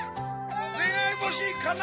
ねがいぼしかな